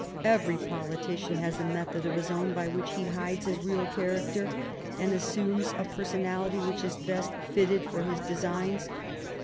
Every politician has a method of his own by which he hides his real character and assumes a personality which is best fitted for his designs.